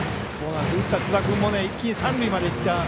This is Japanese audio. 打った津田君も一気に三塁までいった。